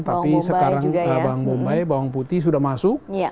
tapi sekarang bawang bombay bawang putih sudah masuk